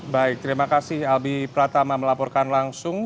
baik terima kasih albi pratama melaporkan langsung